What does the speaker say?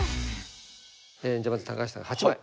ええじゃあまず高橋さん８枚。